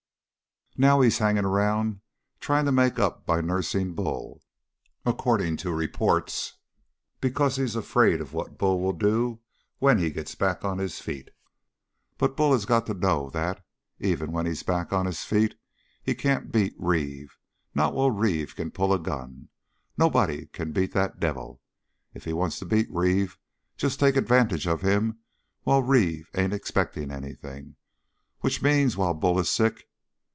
Now he's hanging around trying to make up by nursing Bull, according to reports, because he's afraid of what Bull'll do when he gets back on his feet. But Bull has got to know that, even when he's back on his feet, he can't beat Reeve not while Reeve can pull a gun. Nobody can beat that devil. If he wants to beat Reeve, just take advantage of him while Reeve ain't expecting anything which means while Bull is sick.'